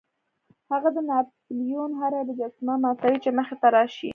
هغه د ناپلیون هره مجسمه ماتوي چې مخې ته راشي.